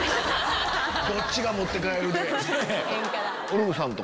どっちが持って帰るかで。